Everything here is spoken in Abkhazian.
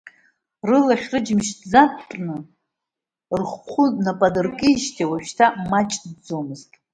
Рылахь-рыџьымшь ӡатәны рхәы напы адыркижьҭеи уажәшьҭа маҷ ҵӡомызт.